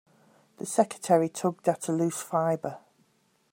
The secretary tugged at a loose fibre.